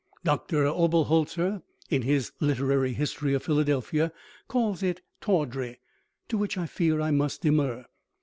Doctor Oberholtzer, in his "Literary History of Philadelphia," calls it "tawdry," to which I fear I must demur.